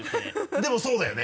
でもそうだよね？